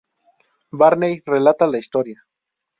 Barney relata la historia.